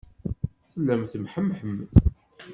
Tellam temmehmhem.